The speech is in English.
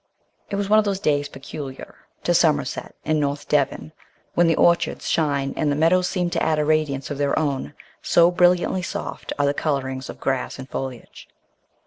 It was one of those days peculiar to Somerset and North Devon, when the orchards shine and the meadows seem to add a radiance of their own, so brilliantly soft are the colourings of grass and foliage.